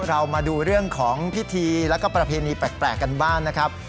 เรามาดูเรื่องของพิธีแล้วก็ประเพณีแปลกกันบ้างนะครับ